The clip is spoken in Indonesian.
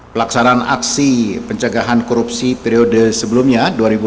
pelaksanaan aksi pencegahan korupsi periode sebelumnya dua ribu dua puluh satu dua ribu dua puluh dua